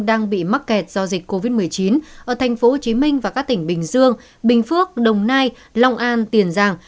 đang bị mắc kẹt do dịch covid một mươi chín ở thành phố hồ chí minh và các tỉnh bình dương bình phước đồng nai long an tiền giang